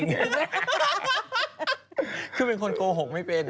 คือเป็นคนโกหกไม่เป็น